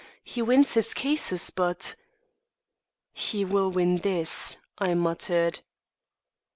He wins his cases but " "He will win this," I muttered.